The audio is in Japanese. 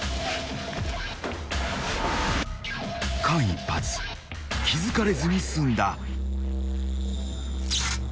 ［間一髪気付かれずに済んだ］